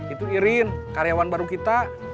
itu irin karyawan baru kita